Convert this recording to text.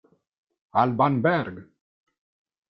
Alban Berg!